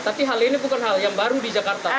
tapi hal ini bukan hal yang baru di jakarta